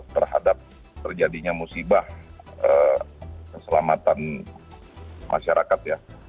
terhadap terjadinya musibah keselamatan masyarakat ya